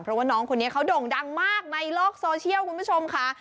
เพราะว่าน้องคนนี้เขาโด่งดังมากในโลกโซเชียลคุณผู้ชมค่ะ